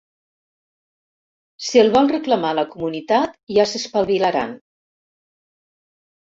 Si el vol reclamar la comunitat ja s'espavilaran.